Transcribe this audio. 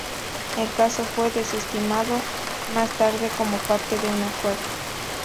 El caso fue desestimado más tarde como parte de un acuerdo.